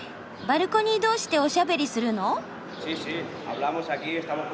バルコニー同士でおしゃべりするの？